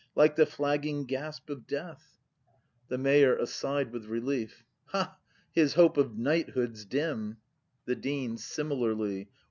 Like the flagging gasp of death! ACT V] BRAND 263 The Mayor. [Aside with relief.] Ha, h i s hope of knighthood's dim! The Dean. [Similarly.